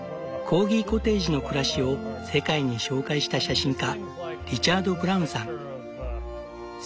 コーギコテージの暮らしを世界に紹介した写真家リチャード・ブラウンさん。